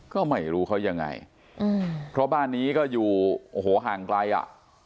ก็ไม่รู้เขายังไงอืมเพราะบ้านนี้ก็อยู่โอ้โหห่างไกลอ่ะ